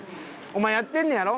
お前やってんねやろ？